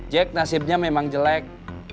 jack nasibnya memang jelek